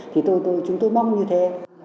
thì chúng tôi mong như thế